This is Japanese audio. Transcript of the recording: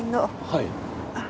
はい。